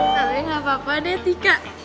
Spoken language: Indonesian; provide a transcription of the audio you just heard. soalnya gak apa apa deh tika